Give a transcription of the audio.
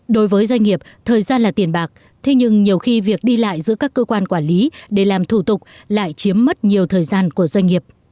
đối với doanh nghiệp thời gian là tiền bạc thế nhưng nhiều khi việc đi lại giữa các cơ quan quản lý để làm thủ tục lại chiếm mất nhiều thời gian của doanh nghiệp